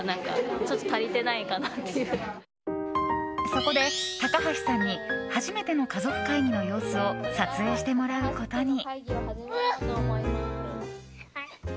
そこで、たかはしさんに初めてのかぞくかいぎの様子を撮影してもらうことに。